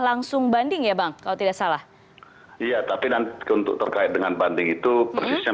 ada di kementerian teknis ya